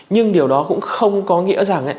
nhưng điều đó cũng không có nghĩa rằng